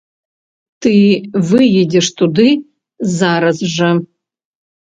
Ты выедзеш туды зараз жа.